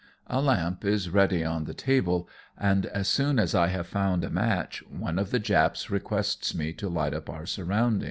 A lamp is ready on the table, and as soon as I have found a match, one of the Japs requests me to light up our surroundings.